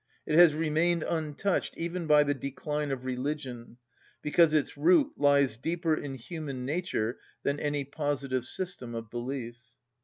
It has remained untouched even by the decline of religion, because its root lies deeper in human nature than any positive system of belief.